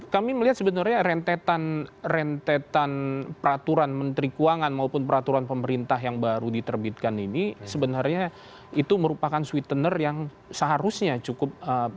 kami melihat sebenarnya rentetan rentetan peraturan menteri keuangan maupun peraturan pemerintah yang baru diterbitkan ini sebenarnya itu merupakan sweetener yang seharusnya cukup